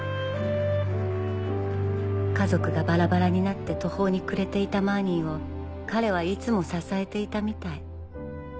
家族がバラバラになって途方に暮れていたマーニーを彼はいつも支えていたみたい。